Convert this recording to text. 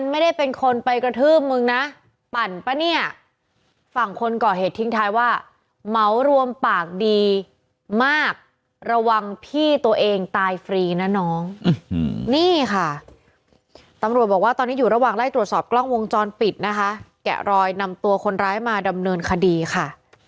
ไม่ได้เป็นคนไปกระทืบมึงนะปั่นป่ะเนี่ยฝั่งคนก่อเหตุทิ้งท้ายว่าเหมารวมปากดีมากระวังพี่ตัวเองตายฟรีนะน้องนี่ค่ะตำรวจบอกว่าตอนนี้อยู่ระหว่างไล่ตรวจสอบกล้องวงจรปิดนะคะแกะรอยนำตัวคนร้ายมาดำเนินคดีค่ะ